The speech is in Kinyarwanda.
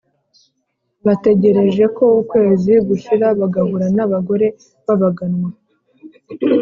bategereje ko ukwezi gushira bagahura n'abagore b'abaganwa